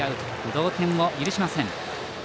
同点を許しません。